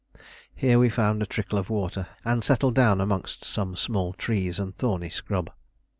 Here we found a trickle of water, and settled down amongst some small trees and thorny scrub.